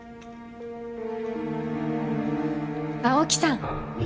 青木さん！